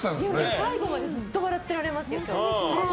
最後までずっと笑ってられますよ。笑